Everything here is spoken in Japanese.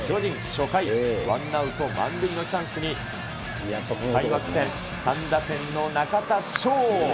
初回、ワンアウト満塁のチャンスに、開幕戦３打点の中田翔。